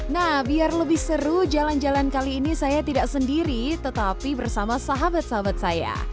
nah biar lebih seru jalan jalan kali ini saya tidak sendiri tetapi bersama sahabat sahabat saya